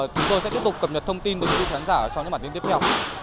chúng tôi sẽ tiếp tục cập nhật thông tin với quý khán giả sau những bản tin tiếp theo